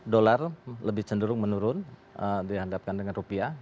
dolar lebih cenderung menurun dihadapkan dengan rupiah